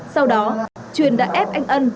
sau đó truyền đã ép anh ân